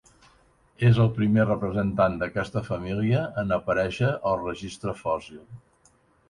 És el primer representant d'aquesta família en aparèixer al registre fòssil.